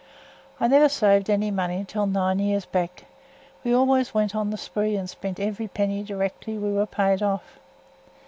I never saved any money until nine years back; we always went on th' spree and spent every penny directly we were paid off.